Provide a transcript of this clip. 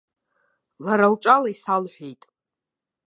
Лара лҿала исалҳәеит.